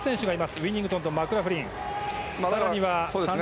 ウィニングトンとマクラフリン。